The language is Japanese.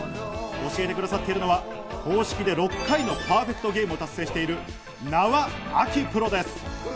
教えてくださっているのは公式でパーフェクトゲームを６回達成している名和秋プロです。